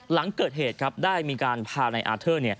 หลังเกิดเหตุได้มีการพานายอาร์เธอ